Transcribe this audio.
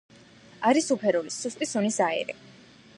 არის უფერული, სუსტი სუნის აირი.